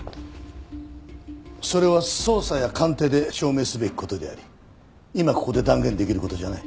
それは捜査や鑑定で証明すべき事であり今ここで断言できる事じゃない。